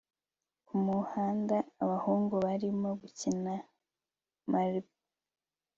Kumuhanda abahungu barimo gukina marble